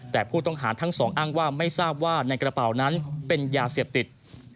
แต่ผู้ต้องหาทั้งสองอ้างว่าไม่ทราบว่าในกระเป๋านั้นเป็นยาเสพติด